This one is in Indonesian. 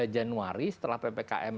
januari setelah ppkm